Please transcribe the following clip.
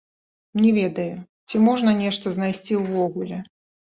Не ведаю, ці можна нешта знайсці ўвогуле.